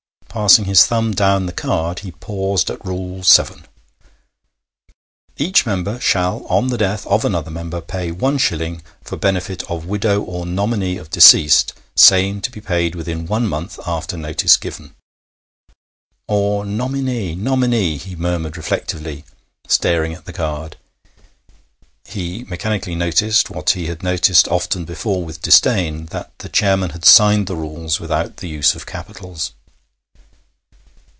Passing his thumb down the card, he paused at Rule VII.: 'Each member shall, on the death of another member, pay 1s. for benefit of widow or nominee of deceased, same to be paid within one month after notice given.' 'Or nominee nominee,' he murmured reflectively, staring at the card. He mechanically noticed, what he had noticed often before with disdain, that the chairman had signed the rules without the use of capitals.